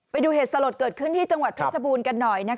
ไปดูเหตุสลดเกิดขึ้นที่จังหวัดเพชรบูรณ์กันหน่อย